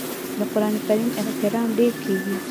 د قران کریم احترام ډیر کیږي.